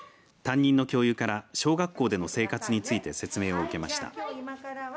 担任の教諭から小学校での生活について説明を受けました。